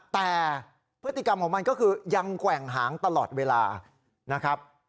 แต่พฤติกรรมของมันก็คือยังแกว่งหางตลอดเวลานะครับ